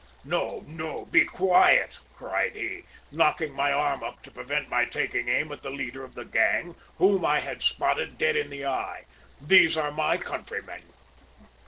"`No, no, be quiet!' cried he, knocking my arm up to prevent my taking aim at the leader of the gang, whom I had spotted dead in the eye. `These are my countrymen!'